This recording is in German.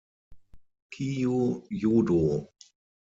Kyū Jūdō.